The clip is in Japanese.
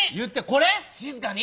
静かに！